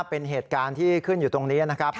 เป็นเหตุการณ์ที่ขึ้นอยู่ตรงนี้นะครับ